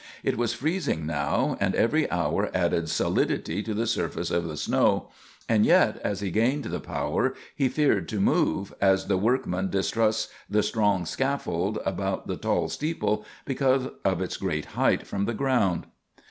It was freezing now, and every hour added solidity to the surface of the snow; and yet as he gained the power he feared to move, as the workman distrusts the strong scaffold about the tall steeple because of its great height from the ground.